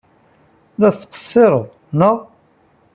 La tettqeṣṣired, naɣ?